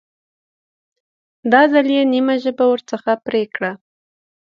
دا ځل یې نیمه ژبه ورڅخه پرې کړه.